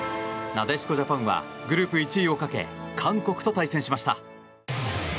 なでしこジャパンはグループ１位をかけ韓国と対戦しました。